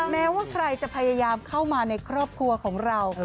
แม้ว่าใครจะพยายามเข้ามาในครอบครัวของเรา